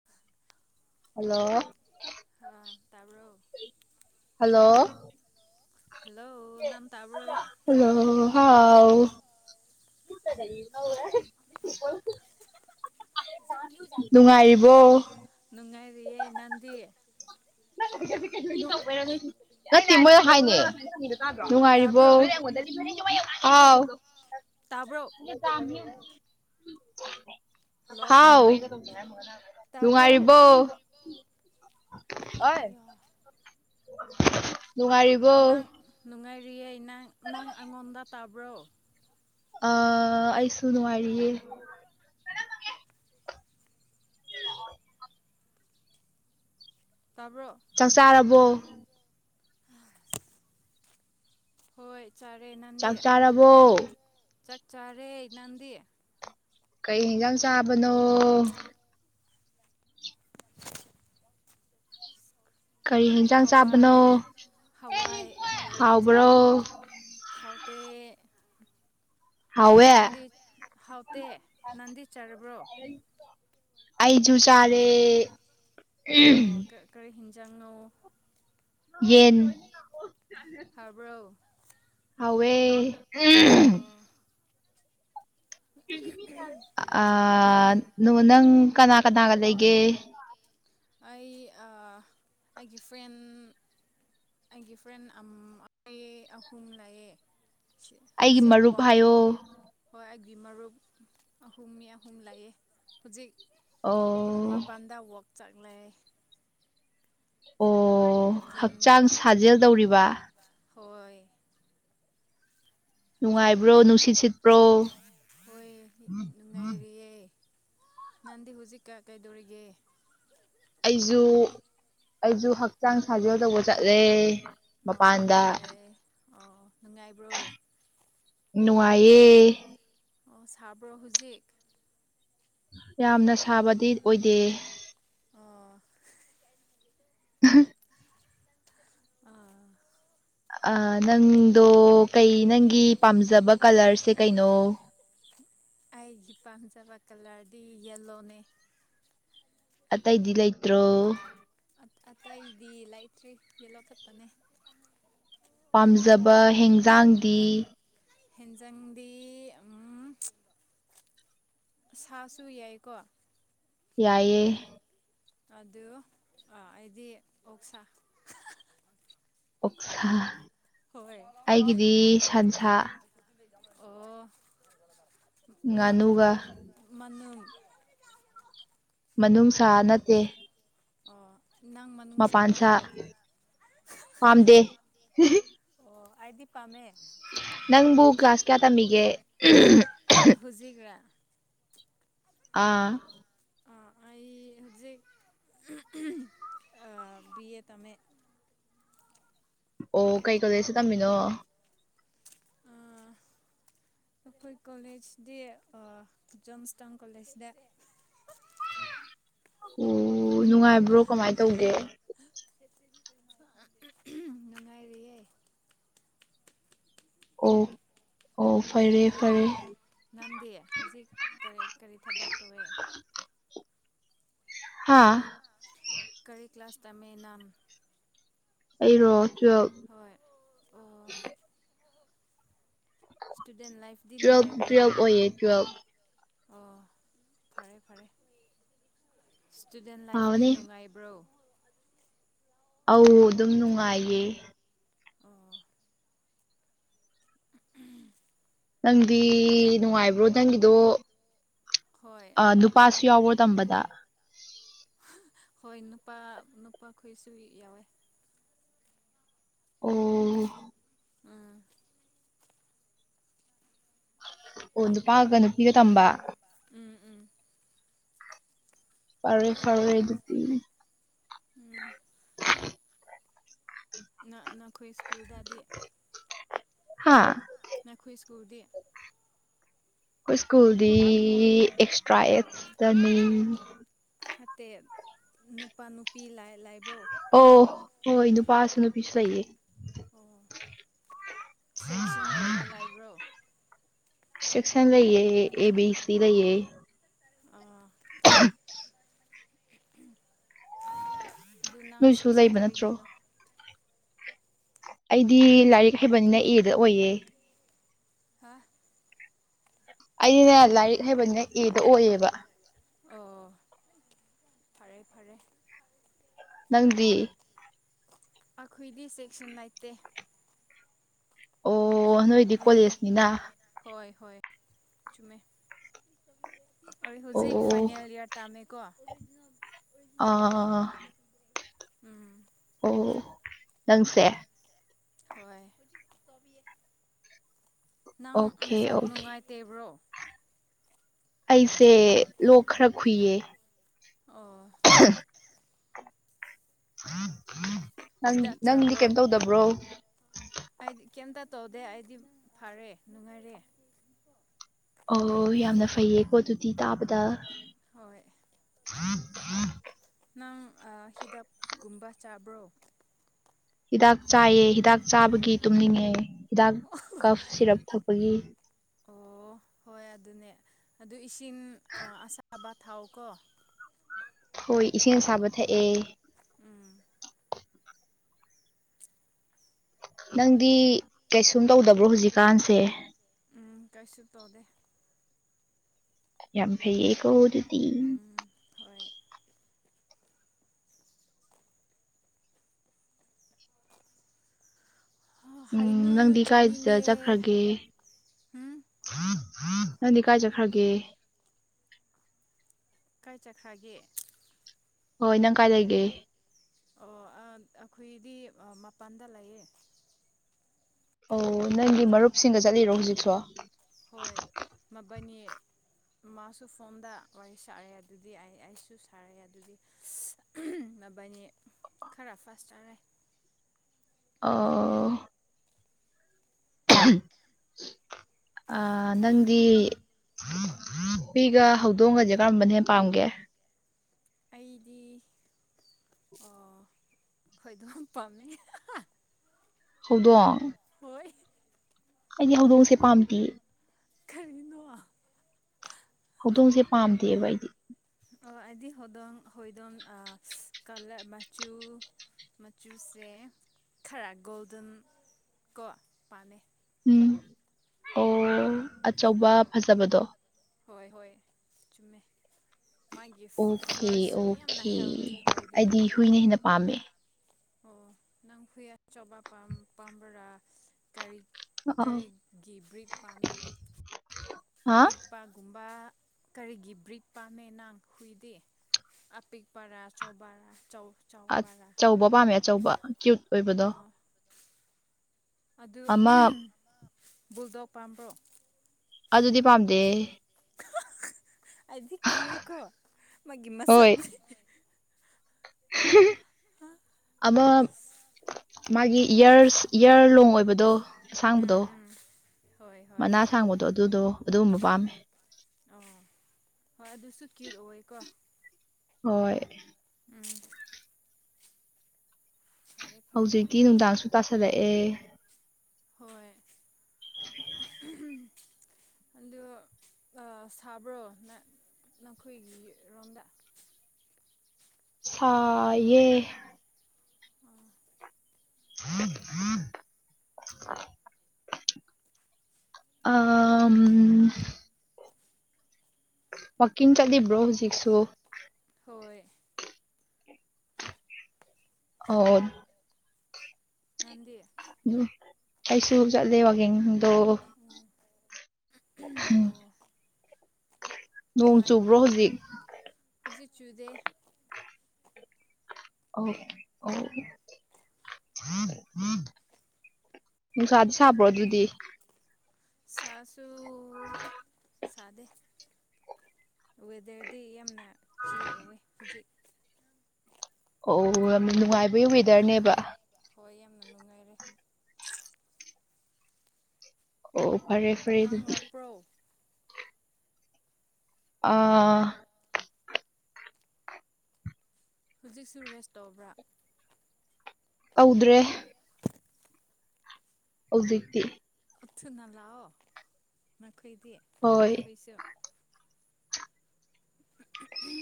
[inaudible] Hello ꯍꯥꯥ ꯇꯥꯕ꯭ꯔꯣ hello hello ꯅꯝ ꯇꯥꯕ꯭ꯔꯣ ꯍꯜꯂꯣ ꯍꯥꯎ [unintelligible] ꯅꯨꯡꯉꯥꯏꯔꯤꯕꯣ ꯅꯨꯡꯉꯥꯏꯔꯤ ꯅꯗꯤ ꯅꯠꯇꯦ ꯃꯣꯏꯅ ꯍꯥꯏꯅꯦ ꯅꯨꯡꯉꯥꯏꯔꯤꯕꯣ ꯇꯥꯕ꯭ꯔꯣ ꯑꯥꯎ ꯇꯥꯕ꯭ꯔꯣ [inaudible] ꯍꯜꯂꯣ ꯍꯥꯎ ꯇꯥꯕ꯭ꯔꯣ ꯅꯨꯡꯉꯥꯏꯔꯤꯕꯣ ꯑꯌꯥ ꯅꯨꯡꯉꯥꯏꯔꯤꯕꯣ ꯅꯪ ꯅꯨꯡꯉꯥꯏꯔꯤꯌꯦ ꯅꯪ ꯅꯪ ꯑꯩꯉꯣꯟꯗ ꯇꯥꯕ꯭ꯔꯣ ꯑꯩꯁꯨ ꯅꯨꯡꯉꯥꯏꯔꯤꯌꯦ ꯇꯥꯕ꯭ꯔꯣ ꯆꯥꯛ ꯆꯥꯔꯕꯣ ꯍꯣꯏ ꯆꯥꯔꯦ ꯅꯪꯗꯤ ꯆꯥꯛ ꯆꯥꯔꯕꯣ ꯆꯥꯛ ꯆꯥꯔꯦ ꯅꯪꯗꯤ ꯀꯩ ꯍꯦꯟꯖꯥꯡ ꯆꯥꯕꯅꯣ? ꯀꯔꯤ ꯍꯦꯟꯖꯥꯡ ꯍꯋꯥꯏ ꯆꯥꯕꯅꯣ ꯍꯋꯥꯏ ꯍꯋꯥꯏ ꯍꯤꯟꯖꯥꯡ ꯍꯥꯎꯕ꯭ꯔꯣ ꯍꯥꯎꯇꯦ ꯍꯥꯎꯋꯦ ꯅꯪꯗꯤ ꯍꯥꯎꯇꯦ ꯅꯪꯗꯤ ꯆꯥꯔꯕ꯭ꯔꯣ? ꯑꯖꯨ ꯆꯥꯔꯦ ꯑꯣ ꯀꯔꯤ ꯍꯤꯟꯖꯥꯡꯅꯣ? ꯌꯦꯟ ꯍꯥꯏꯕ꯭ꯔꯥꯎ? ꯍꯥꯎꯋꯦ ꯎꯝ ꯑꯥ ꯅꯪ ꯑꯥ ꯅꯣ ꯅꯪ ꯀꯅꯥ ꯀꯅꯥꯒ ꯂꯩꯒꯦ? ꯑꯩ ꯑꯥ ꯑꯩꯒꯤ ꯐ꯭ꯔꯦꯟ ꯑꯩꯒꯤ ꯐ꯭ꯔꯦꯟ ꯑꯝ ꯑꯩ ꯑꯍꯨꯝ ꯂꯩꯑꯦ ꯑꯩꯒꯤ ꯍꯨꯖꯤꯛ ꯃꯔꯨꯞ ꯋꯥꯛ ꯍꯥꯏꯌꯣ ꯍꯣꯏ ꯑꯩꯒꯤ ꯃꯔꯨꯞ ꯑꯍꯨꯝ ꯃꯤ ꯑꯍꯨꯝ ꯂꯩꯑꯦ ꯍꯨꯖꯤꯛ ꯑꯣ ꯃꯄꯥꯟꯗ ꯋꯥꯛ ꯆꯥꯛꯂꯦ ꯑꯣ ꯋꯥꯛꯀꯤꯡ ꯍꯛꯆꯥꯡ ꯁꯥꯖꯦꯜ ꯇꯧꯔꯤꯕ ꯍꯣꯏ ꯍꯣꯏ ꯅꯨꯡꯉꯥꯏꯕ꯭ꯔꯣ ꯅꯨꯡꯁꯤꯠ ꯁꯤꯠꯄ꯭ꯔꯣ [unintelligible] ꯅꯨꯡꯉꯥꯏꯔꯤꯌꯦ ꯅꯟꯗꯤ ꯍꯧꯨꯖꯤꯛꯀ ꯀꯩꯗꯧꯔꯤꯒꯦ? ꯑꯩꯖꯨ ꯑꯩꯖꯨ ꯍꯛꯆꯥꯡ ꯁꯥꯖꯦꯜ ꯇꯧꯕ ꯆꯠꯂꯦ꯫ ꯑꯧ ꯃꯄꯥꯟꯗ ꯐꯔꯦ ꯑꯧ ꯅꯨꯡꯉꯥꯏꯕ꯭ꯔꯣ ꯅꯨꯡꯉꯥꯏꯌꯦ ꯑꯣ ꯁꯔꯕ꯭ꯔꯣ ꯍꯨꯖꯤꯛ? ꯌꯥꯝꯅ ꯁꯥꯕꯗꯤ ꯑꯣꯏꯗꯦ ꯑꯣ ꯑꯍ ꯑꯥ ꯑ ꯅꯪꯗꯣ ꯀꯩ ꯅꯪꯒꯤ ꯄꯥꯝꯖꯕ ꯀꯂꯔꯁꯦ ꯀꯩꯅꯣ? ꯑꯩꯒꯤ ꯄꯥꯝꯖꯕ ꯀꯂꯔꯗꯤ ꯌꯦꯂꯣꯅꯦ꯫ ꯑꯇꯩꯗꯤ ꯂꯩꯇ꯭ꯔꯣ? ꯑꯠ ꯑꯇꯩꯗꯤ ꯂꯩꯇ꯭ꯔꯤ ꯌꯦꯂꯣ ꯈꯠꯇꯅꯦ꯫ ꯄꯥꯝꯖꯕ ꯍꯦꯡꯖꯥꯡꯗꯤ ꯍꯦꯟꯖꯪꯗꯤ ꯎꯝ ꯁꯥꯁꯨ ꯌꯥꯏꯀꯣ ꯌꯥꯏꯌꯦ ꯑꯗꯨ ꯑꯥ ꯑꯩꯗꯤ ꯑꯣꯛ ꯁꯥꯥ ꯑꯣꯛꯁꯥ ꯍꯣꯏ ꯑꯩꯒꯤꯗꯤ ꯁꯟꯁꯥ ꯑꯣ ꯃꯥ ꯎꯝ ꯉꯥꯅꯨꯒ ꯃꯅꯨꯡ [unintelligible] ꯃꯅꯨꯡꯁꯥ ꯅꯠꯇꯦ ꯑꯣ ꯅꯪ ꯃ ꯃꯄꯥꯟ ꯁꯥ ꯄꯥꯝꯗꯦ ꯑꯣ ꯑꯩꯗꯤ ꯄꯥꯝꯃꯦ꯫ ꯅꯪꯕꯨ ꯀ꯭ꯂꯥꯁ ꯀꯌꯥ ꯇꯝꯃꯤꯒꯦ ꯍꯨꯖꯤꯛꯔꯥ ꯑꯥ ꯑꯥ ꯑꯩ ꯍꯥꯖꯤꯛ ꯑꯥ ꯕꯤ ꯑꯦ ꯇꯝꯃꯦ ꯑꯣ ꯀꯩ ꯀꯣꯂꯦꯁꯇ ꯇꯝꯃꯤꯅꯣ ꯑꯥ ꯑꯈꯣꯏ ꯀꯣꯂꯦꯖꯗꯤ ꯑꯥ ꯖꯣꯟꯁꯇꯥꯡ ꯀꯣꯂꯦꯖꯗ ꯑꯣ ꯅꯨꯡꯉꯥꯏꯕ꯭ꯔꯣ ꯀꯃꯥꯏ ꯇꯧꯒꯦ [unintelligible] [unintelligible] ꯅꯨꯡꯉꯥꯏꯔꯤꯌꯦ ꯑꯣ ꯑꯣ ꯐꯔꯦ ꯐꯔꯦ ꯅꯪꯗꯤ ꯍꯨꯖꯤꯛ ꯀꯔꯤ ꯀꯔꯤ ꯊꯕꯛ ꯇꯧꯋꯦ ꯍꯥ ꯀꯔꯤ ꯀ꯭ꯂꯥꯁ ꯇꯝꯃꯦ ꯅꯝ ꯑꯩꯔꯣ ꯇꯨꯌꯦꯜꯕ ꯍꯣꯏ ꯑꯣ ꯁ꯭ꯇꯨꯗꯦꯟ ꯂꯥꯏꯐꯗꯤ ꯇꯨꯋꯦꯜꯕ ꯅꯨꯡꯉꯥꯏꯕ꯭ꯔꯣ ꯇꯨꯋꯦꯜꯕ ꯑꯣꯏꯌꯦ ꯇꯨꯋꯦꯜꯕ ꯑꯣ ꯐꯔꯦ ꯐꯔꯦ ꯁ꯭ꯇꯨꯗꯦꯟ ꯂꯥꯏꯐꯗꯤ ꯐꯥꯕꯅꯦ ꯅꯨꯡꯉꯥꯏꯕ꯭ꯔꯣ ꯑꯧ ꯑꯗꯨꯝ ꯅꯨꯡꯉꯥꯏꯌꯦ ꯑꯣ ꯅꯪꯗꯤ ꯅꯨꯡꯉꯥꯏꯕ꯭ꯔꯣ ꯅꯪꯒꯤꯗꯣ ꯍꯣꯏ ꯑꯥ ꯅꯨꯞ ꯄꯥꯁꯨ ꯌꯥꯎꯕ꯭ꯔꯣ ꯇꯝꯕꯗ ꯍꯣꯏ ꯅꯨꯄꯥ ꯅꯨꯄꯥꯈꯣꯏꯁꯨ ꯌꯥꯎꯋꯦ ꯑꯣ ꯎꯝ ꯑꯣ ꯅꯨꯄꯥꯒ ꯅꯨꯄꯤꯒ ꯇꯝꯕ ꯎꯝ ꯎꯝ ꯐꯔꯦ ꯐꯔꯦ ꯑꯗꯨꯗꯤ ꯎꯝ ꯅꯥ ꯅꯈꯣꯏ ꯁ꯭ꯀꯨꯜꯗ ꯗꯤ ꯍꯥꯥ ꯅꯈꯣꯏ ꯁ꯭ꯀꯨꯜꯗꯤ ꯑꯩꯈꯣꯏ ꯁ꯭ꯀꯨꯜꯗꯤ ꯑꯦꯛꯁꯇ꯭ꯔꯥ ꯑꯦꯠꯁꯇꯅꯤ ꯅꯠꯇꯦ ꯅꯨꯄꯥ ꯅꯨꯄꯤ ꯂꯥꯏ ꯂꯥꯏꯕ꯭ꯔꯣ ꯑꯣ ꯍꯣꯏ ꯅꯨꯄꯥꯁꯨ ꯅꯨꯄꯤꯁꯨ ꯂꯩꯌꯦ ꯑꯣ ꯁꯦꯛꯁꯟꯒꯨꯝꯕ ꯂꯥꯏꯕ꯭ꯔꯣ ꯁꯦꯛꯁꯟ ꯂꯩꯌꯦ ꯑꯦ ꯕꯤ ꯁꯤ ꯂꯩꯌꯦ ꯑꯥ ꯗꯨ ꯅꯪ ꯅꯣꯏꯁꯨ ꯁꯦꯛꯁꯟ ꯂꯩꯕ ꯅꯠꯇ꯭ꯔꯣ ꯀꯔꯤꯒꯤꯅꯣ ꯑꯩꯗꯤ ꯂꯥꯏꯔꯤꯛ ꯍꯩꯕꯅꯤꯅ ꯑꯦꯗ ꯑꯣꯏꯌꯦ ꯍꯥ ꯑꯩꯗꯤꯅꯦ ꯂꯥꯏꯔꯤꯛ ꯍꯩꯕꯅꯤꯅ ꯑꯦꯗ ꯑꯣꯏꯌꯦꯕ ꯑꯣ ꯐꯔꯦ ꯐꯔꯦ ꯅꯪꯗꯤ ꯑꯈꯣꯏꯗꯤ ꯆꯦꯛꯁꯤꯟ ꯅꯩꯇꯦ꯫ ꯑꯣ ꯅꯣꯏꯗꯤ ꯀꯣꯂꯦꯖꯅꯤꯅ꯫ ꯅꯥ ꯍꯣꯏ ꯍꯣꯏ ꯆꯨꯝꯃꯦ꯫ [unintelligible] ꯑꯩ ꯍꯧꯖꯤꯛ ꯑꯣ ꯐꯥꯏꯅꯦꯜ ꯏꯌꯥꯔ ꯇꯥꯝꯃꯦꯀꯣ ꯑꯣꯔꯤꯖꯤꯅꯜ ꯑꯣꯔꯤꯖꯤꯅꯥꯜ ꯗꯣ ꯑꯥ ꯎꯝ ꯑꯣ ꯅꯪꯁꯦ꯫ ꯍꯣꯏ ꯅꯪ ꯑꯣꯀꯦ ꯅꯁꯛ ꯑꯣꯀꯦ ꯅꯨꯡꯉꯥꯏꯇꯦꯕ꯭ꯔꯣ? ꯑꯩꯁꯦ ꯂꯣꯛ ꯈꯔ ꯈꯨꯨꯏꯌꯦ꯫ ꯑꯣ ꯅꯪ ꯍꯤꯗꯥꯛ ꯅꯪꯗꯤ ꯀꯩꯝ ꯇꯧꯗꯕ꯭ꯔꯣ? ꯑꯩꯠ ꯀꯩꯝꯇ ꯇꯧꯗꯦ ꯑꯩꯗꯤ ꯐꯔꯦ ꯅꯨꯡꯉꯥꯏꯔꯦ꯫ ꯑꯣ ꯌꯥꯝꯅ ꯐꯩꯌꯦꯀꯣ ꯑꯗꯨꯨꯇꯤ ꯇꯥꯕꯗ꯫ ꯍꯣꯏ [unintelligible] ꯅꯪ ꯑꯥ ꯍꯤꯗꯥꯛꯀꯨꯝꯕ ꯆꯥꯕ꯭ꯔꯣ? ꯍꯤꯗꯥꯛ ꯆꯥꯏꯌꯦ ꯍꯤꯗꯥꯛ ꯆꯥꯕꯒꯤ ꯇꯨꯝꯅꯤꯡꯉꯦ ꯍꯤꯗꯥꯛ ꯀꯞ ꯁꯤꯔꯞ ꯊꯛꯄꯒꯤ꯫ ꯑꯣ ꯍꯣꯏ ꯑꯗꯨꯅꯦ ꯑꯗꯨ ꯏꯁꯤꯡ ꯑꯁꯥꯕ ꯊꯥꯎ ꯀꯣ ꯍꯣꯏ ꯏꯁꯤꯡ ꯑꯁꯥꯕ ꯊꯛꯑꯦ꯫ ꯎꯝ ꯅꯪꯗꯤ ꯀꯩꯁꯨꯝ ꯇꯧꯗꯕ꯭ꯔꯣ ꯍꯧꯖꯤꯛꯀꯥꯟꯁꯦ꯫ ꯎꯝ ꯀꯩꯁꯨ ꯇꯧꯗꯦ꯫ ꯌꯥꯝ ꯐꯩꯌꯦꯀꯣ ꯑꯗꯨꯗꯤ꯫ ꯎꯝ ꯍꯣꯏ ꯎꯝ ꯍꯩꯅꯨ ꯅꯪꯗꯤ ꯀꯥꯏꯗ ꯆꯥꯅꯤꯡꯉꯦ ꯆꯠꯈ꯭ꯔꯒꯦ? ꯎꯝ ꯅꯪꯗꯤ ꯀꯥꯏ ꯆꯠꯈ꯭ꯔꯒꯦ? ꯀꯥꯏ ꯆꯈ꯭ꯔꯥꯒꯦ? ꯍꯣꯏ ꯅꯪ ꯀꯥꯏ ꯂꯩꯒꯦ꯫ ꯑꯣ ꯑꯥ ꯑꯩꯈꯣꯏꯗꯤ ꯃꯄꯥꯟꯗ ꯂꯩꯌꯦ꯫ ꯑꯣ ꯅꯪꯒꯤ ꯃꯔꯨꯞꯁꯤꯡꯒ ꯆꯠꯂꯤꯔꯣ ꯍꯧꯖꯤꯛꯁꯣ꯫ ꯍꯣꯏ ꯃꯕꯥꯟꯅꯤ꯫ ꯃꯥꯁꯨ ꯐꯣꯝꯗ ꯋꯥꯔꯤ ꯁꯥꯌꯦ ꯑꯗꯨꯗꯤ ꯑꯩ ꯑꯩꯁꯨ ꯁꯥꯌꯦ ꯑꯗꯨꯗꯤ꯫ ꯏꯁ ꯎꯝ ꯅꯕꯥꯅꯤ ꯈꯔꯥ ꯐꯥꯁꯇ ꯇꯔꯦ꯫ ꯑꯣ ꯑ ꯅꯪꯗꯤ ꯄꯤꯒ ꯍꯧꯗꯣꯡꯒꯁꯦ ꯀꯔꯝꯕꯅ ꯍꯦꯟꯅ ꯄꯥꯝꯒꯦ꯫ ꯑꯩꯗꯤ ꯑꯥ ꯈꯣꯏꯗꯣꯝ ꯄꯥꯝꯃꯦ꯫ ꯍꯧꯗꯣꯡ꯫ ꯍꯣꯏ ꯑꯩꯗꯤ ꯍꯧꯗꯣꯡꯁꯦ ꯄꯥꯝꯗꯤꯌꯦ꯫ ꯈꯔꯤꯅꯣ꯫ ꯍꯧꯗꯣꯡꯁꯦ ꯄꯥꯝꯗꯦꯕ ꯑꯩꯗꯤ꯫ ꯑꯥ ꯑꯩꯗꯤ ꯍꯧꯗꯣꯡ ꯍꯣꯏꯗꯣꯟ ꯑꯥ ꯀꯂꯛ ꯃꯆꯨ꯫ ꯃꯆꯨꯁꯦ ꯈꯔ ꯒꯣꯜꯗꯟ ꯀꯣ ꯄꯥꯝꯃꯦ ꯎꯝ ꯑꯩ [inaudible] ꯑꯆꯧꯕ ꯐꯖꯕꯗꯣ ꯍꯣꯏ ꯍꯣꯏ ꯆꯨꯝꯃꯦ ꯃꯥꯒꯤ ꯑꯣꯀꯦ ꯐꯥꯔꯁꯨ ꯌꯥꯝꯅ ꯑꯣꯀꯦ ꯍꯦꯜꯗꯤ ꯑꯣꯏꯗꯦ ꯑꯩꯗꯤ ꯍꯨꯏꯅ ꯍꯦꯟꯅ ꯄꯥꯝꯃꯦ ꯑꯣ ꯅꯪ ꯍꯨꯏ ꯑꯆꯧꯕ ꯄꯥꯝ ꯄꯥꯝꯕꯔꯥ ꯀꯩ ꯑ ꯀꯔꯤ ꯒꯤ ꯕ꯭ꯔꯤꯗ ꯄꯥꯝꯃꯦ ꯍꯥ ꯑꯄꯤꯛꯄꯒꯨꯝꯕ ꯀꯔꯤꯒꯤ ꯕ꯭ꯔꯤꯗ ꯄꯥꯝꯃꯦ ꯅꯪ ꯍꯨꯏꯗꯤ ꯑꯄꯤꯛꯄꯔꯥ ꯑꯆꯧꯕꯔꯥ ꯆꯧ ꯑ ꯆꯧꯕꯔꯥ ꯆꯧꯕ ꯄꯥꯝꯃꯦ ꯑꯆꯧꯕ ꯀ꯭ꯌꯨꯠ ꯑꯣꯏꯕꯗꯣ ꯑꯥ ꯑꯗꯨ ꯑꯃ ꯕꯨꯜꯗꯣꯛ ꯄꯥꯝꯕ꯭ꯔꯣ ꯑꯗꯨꯗꯤ ꯄꯥꯝꯗꯦꯍꯦ ꯑꯩꯗꯤ ꯀꯤꯑꯦꯀꯣ ꯃꯥꯒꯤ ꯍꯣꯏ ꯃꯁꯛꯁꯦ [inaudible] ꯑꯥ ꯑꯃ ꯃꯥꯒꯤ ꯏꯌꯔꯁ ꯏꯌꯔ ꯂꯣꯡ ꯑꯣꯏꯕꯗꯣ ꯎꯝ ꯑꯁꯥꯡꯕꯗꯣ ꯎꯝ ꯍꯣꯏ ꯍꯣꯏ ꯃꯅꯥ ꯑꯁꯥꯡꯕꯗꯣ ꯑꯗꯨꯗꯣ ꯑꯗꯨꯒꯨꯝꯕ ꯄꯥꯝꯃꯦ ꯑꯣ ꯍꯣꯏ ꯑꯗꯨꯁꯨ ꯀ꯭ꯌꯨꯠ ꯑꯣꯏꯌꯦꯀꯣ ꯍꯣꯏ ꯎꯝ ꯐꯔꯦ ꯐꯔꯦ ꯍꯧꯖꯤꯛꯇꯤ ꯅꯨꯡꯗꯥꯡꯁꯨ ꯇꯥꯁꯜꯂꯛꯑꯦ ꯍꯣꯏ ꯑꯗꯣ ꯑꯥ ꯁꯥꯕ꯭ꯔꯣ ꯅꯪ ꯅꯈꯣꯏꯒꯤ ꯔꯣꯝꯗ ꯁꯥꯏꯌꯦ ꯑꯥ [inaudible] ꯑꯥ ꯋꯥꯛꯀꯤꯡ ꯆꯠꯂꯤꯕ꯭ꯔꯣ ꯍꯧꯖꯤꯛꯁꯨ ꯍꯣꯏ ꯑꯣ ꯅꯪꯗꯤ ꯑꯩꯁꯨ ꯆꯠꯂꯦ ꯋꯥꯛꯀꯤꯡꯗꯣ ꯑꯣ ꯑꯣ ꯅꯣꯡ ꯆꯨꯕ꯭ꯔꯣ ꯅꯨꯡꯉꯥꯏꯕ꯭ꯔꯣ ꯍꯧꯖꯤꯛ ꯍꯧꯖꯤꯛ ꯆꯨꯗꯦ ꯑꯣ ꯅꯨꯡꯁꯥꯗꯤ ꯁꯥꯕ꯭ꯔꯣ ꯑꯗꯨꯗꯤ ꯁꯥꯁꯨ ꯁꯥꯗꯦ ꯋꯦꯗꯔꯗꯤ ꯌꯥꯝꯅ ꯆꯤꯔ ꯑꯣꯏꯋꯦ ꯍꯧꯖꯤꯛ ꯑꯣ ꯌꯥꯝꯅ ꯅꯨꯡꯉꯥꯏꯕꯒꯤ ꯋꯦꯗꯔꯅꯦꯕ ꯍꯣꯏ ꯌꯥꯝꯅ ꯅꯨꯡꯉꯥꯏꯔꯦ ꯑꯣ ꯐꯔꯦ ꯐꯔꯦ ꯅꯪ ꯑꯗꯨꯗꯤ ꯂꯥꯛꯄ꯭ꯔꯣ ꯑꯥ ꯍꯧꯖꯤꯛꯁꯨ ꯔꯦꯁ ꯇꯧꯕ꯭ꯔ ꯇꯧꯗ꯭ꯔꯦ ꯍꯧꯖꯤꯛꯇꯤ ꯑ ꯊꯨꯅ ꯂꯥꯛꯑꯣ ꯅꯈꯣꯏꯗꯤ ꯍꯣꯏ ꯅꯈꯣꯏꯁꯨ ꯎꯝ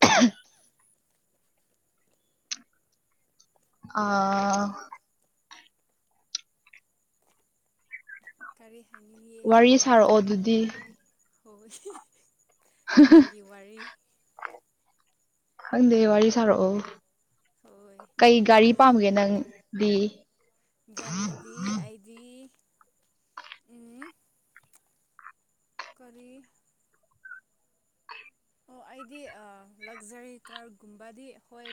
ꯑ ꯍꯝ ꯑꯥ ꯀꯔꯤ ꯍꯥꯏꯅꯤꯡꯉꯦ ꯋꯥꯔꯤ ꯍꯥꯏꯌꯣ ꯁꯥꯔꯛꯑꯣ ꯆꯥꯔꯤ ꯑꯗꯨꯗꯤ ꯁꯥꯔꯛꯑꯣ ꯑꯗꯨꯗꯤ ꯍꯣꯏ ꯀꯔꯤꯒꯤ ꯋꯥꯔꯤ ꯈꯪꯗꯦ ꯋꯥꯔꯤ ꯁꯥꯔꯛꯑꯣ ꯍꯣꯏ ꯀꯩ ꯒꯥꯔꯤ ꯄꯥꯝꯕꯒꯦ ꯅꯪꯗꯤ ꯗꯤ ꯑꯩꯗꯤ ꯎꯝ ꯀꯔꯤ ꯑꯣ ꯑꯩꯗꯤ ꯑꯥ ꯂꯛꯖꯔꯤ ꯀꯥꯔꯒꯨꯝꯕꯗꯤ ꯍꯣꯏ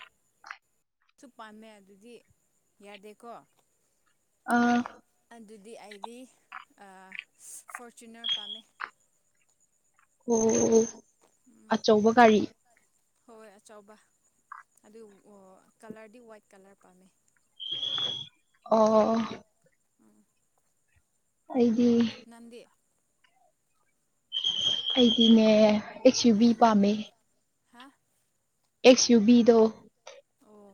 ꯁꯨꯞ ꯄꯥꯝꯃꯦ ꯑꯗꯨꯗꯤ ꯌꯥꯗꯦꯀꯣ ꯑꯥ ꯑꯗꯨꯗꯤ ꯑꯩꯗꯤ ꯐꯣꯔꯆꯨꯅꯔ ꯄꯥꯝꯃꯦ ꯑꯣ ꯑꯣ ꯎꯝ ꯑꯆꯧꯕ ꯒꯥꯔꯤ ꯍꯣꯏ ꯑꯆꯧꯕ ꯑꯗꯨ ꯀꯥꯂꯔꯗꯤ ꯋꯥꯏꯠ ꯀꯥꯂꯔ ꯄꯥꯝꯃꯦ ꯑꯣ ꯑꯣ ꯑꯣ ꯎꯝ ꯑꯩꯗꯤ ꯅꯪꯗꯤ ꯑꯩꯗꯤꯅꯦ ꯑꯦꯛꯁ ꯌꯨ ꯚꯕꯤ ꯎꯝ ꯄꯥꯝꯃꯦ ꯍꯥ ꯑꯦꯛꯁ ꯌꯨ ꯕꯤꯗꯣ ꯑꯣ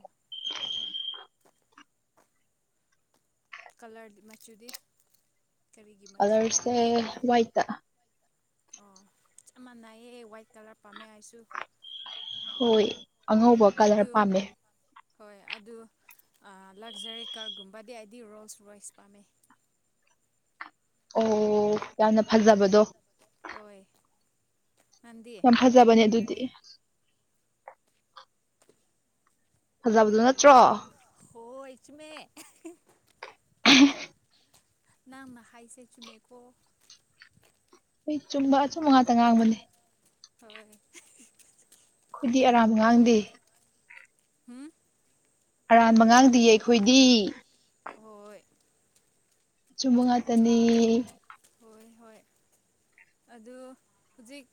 ꯀꯥꯂꯔ -ꯃꯆꯨꯗꯤ ꯀꯔꯤꯒꯤ ꯃꯆꯨꯅꯥ ꯀꯂꯔꯁꯦ ꯄꯥꯥꯝꯃꯤ ꯋꯥꯏꯠꯇ ꯑꯣ ꯆꯞ ꯃꯥꯟꯅꯩꯌꯦ ꯋꯥꯏꯠ ꯀꯥꯂꯔ ꯄꯥꯝꯃꯦ ꯑꯩꯁꯨ ꯍꯣꯏ ꯑꯉꯧꯕ ꯀꯂꯔ ꯑꯗꯨ ꯄꯥꯝꯃꯦ ꯍꯣꯏ ꯑꯗꯨ ꯑ ꯂꯛꯖꯔꯤ ꯀꯥꯔꯒꯨꯝꯕꯗꯤ ꯑꯩꯗꯤ ꯔꯣꯁ ꯋꯥꯏꯁ ꯄꯥꯝꯃꯦ ꯑꯝ ꯌꯥꯝꯅ ꯐꯖꯕꯗꯣ ꯍꯣꯏ ꯅꯪꯗꯤ ꯌꯥꯝ ꯐꯖꯕꯅꯦ ꯑꯗꯨꯗꯤ ꯐꯖꯕꯗꯣ ꯅꯠꯇ꯭ꯔꯣ ꯍꯣꯏ ꯆꯨꯝꯃꯦ [unintelligible] ꯅꯪꯅ ꯍꯥꯏꯁꯦ ꯆꯨꯝꯃꯦꯀꯣ ꯑꯩ ꯆꯨꯝꯕ -ꯑꯆꯨꯝꯕ ꯉꯥꯛꯇ ꯉꯥꯡꯕꯅꯦ ꯍꯣꯏ [unintelligible] ꯈꯣꯏꯗꯤ ꯑꯔꯥꯟꯕ ꯉꯥꯡꯗꯦ ꯍꯨꯝ ꯑꯔꯥꯟꯕ ꯉꯥꯡꯗꯤꯌꯦ ꯑꯩꯈꯣꯏꯗꯤ ꯍꯣꯏ ꯑꯆꯨꯝꯕ ꯉꯥꯛꯇꯅꯦ ꯍꯣꯢ ꯍꯣꯢ ꯑꯗꯨ ꯍꯧꯖꯤꯛ